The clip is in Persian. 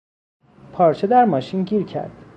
پارچه در ماشین گیر کرد.